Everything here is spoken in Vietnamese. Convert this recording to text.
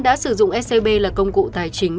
đã sử dụng scb là công cụ tài chính